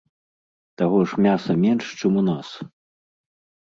Таго ж мяса менш, чым у нас.